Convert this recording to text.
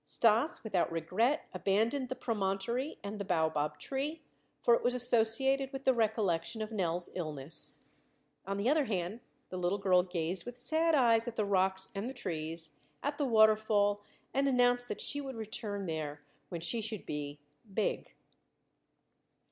Stas without regret abandoned the promontory and the baobab tree, for it was associated with the recollection of Nell's illness. On the other hand, the little girl gazed with sad eyes at the rocks, at the trees, at the waterfall, and announced that she would return there when she should be "big."